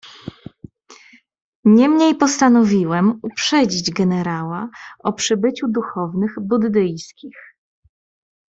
"Niemniej postanowiłem uprzedzić generała o przybyciu duchownych buddyjskich."